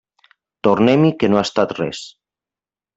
Tornem-hi que no ha estat res.